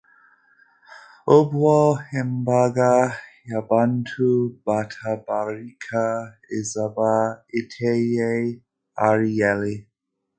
Ubwo imbaga y’abantu batabarika izaba iteye Ariyeli,